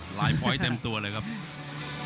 หลายต่อแต่มตัวเลยครับโอ้